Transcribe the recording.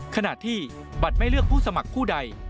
ขณะที่บัตรไม่เลือกผู้สมัครผู้ใด